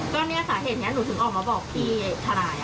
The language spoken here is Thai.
ก็เนี่ยสาเหตุนี้หนูถึงออกมาบอกพี่ทนาย